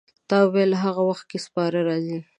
تا ویل هغه وخت کې سپاره راځي.